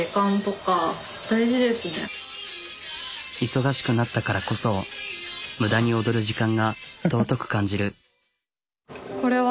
忙しくなったからこそ無駄に踊る時間が尊く感じる。